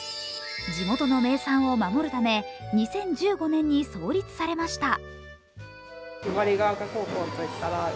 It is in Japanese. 地元の名産を守るため、２０１５年に創立されました。